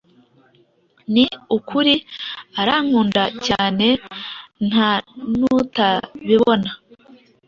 ni ukuri arankunda cyane ntanutabibona